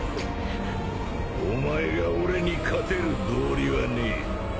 お前が俺に勝てる道理はねえ。